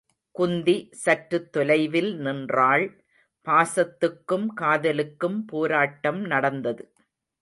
குந்தி சற்றுத் தொலைவில் நின்றாள் பாசத்துக்கும் காதலுக்கும் போராட்டம் நடந்தது.